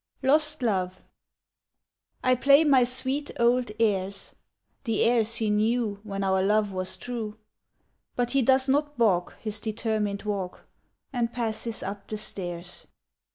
LOST LOVE I PLAY my sweet old airs— The airs he knew When our love was true— But he does not balk His determined walk, And passes up the stairs.